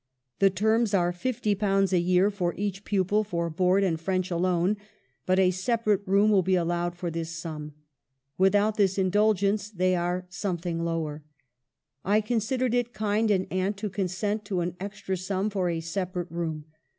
The terms are £,^0 a year for each pupil for board and French alone ; but a separate room will be allowed for this sum ; without this indulgence they are something lower. I considered it kind in aunt to consent to an extra sum for a separate room.